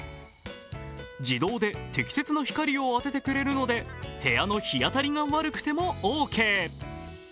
自動で適切な光を当ててくれるので部屋の日当たりが悪くてもオーケー。